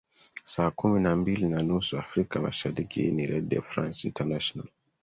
saa kumi na mbili na nusu afrika mashariki hii ni redio france international